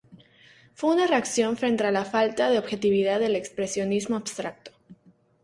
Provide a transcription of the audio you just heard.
Fue una reacción frente a la falta de objetividad del expresionismo abstracto.